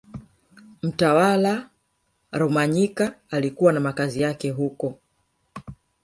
Mtawala Rumanyika alikuwa na makazi yake huko